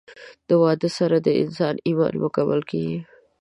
د واده سره د انسان ايمان مکمل کيږي